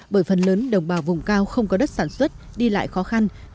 bởi phần lớn đồng bào vùng cao không có đất sản xuất đi lại khó khăn